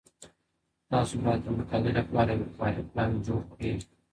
تاسو باید د مقالي لپاره یو کاري پلان جوړ کړئ.